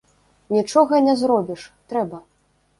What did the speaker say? Нічога не зробіш, трэба.